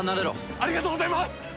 ありがとうございます！